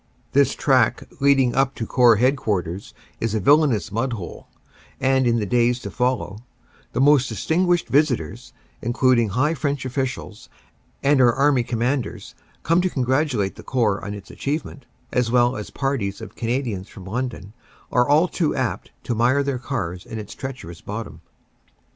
This track leading up to Corps Headquarters is a villainous mud hole, and in the days to follow the most distinguished visitors, including high French officials and our Army Com manders, come to congratulate the Corps on its achievement, as well as parties of Canadians from London, are all too apt to mire their cars in its treacherous bottom.